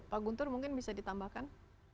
pak guntur mungkin bisa ditambahkan